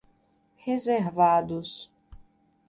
reservados